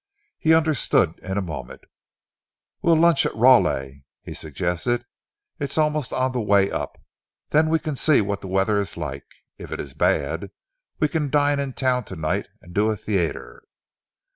He understood in a moment. "We'll lunch at Ranelagh," he suggested. "It is almost on the way up. Then we can see what the weather is like. If it is bad, we can dine in town tonight and do a theatre."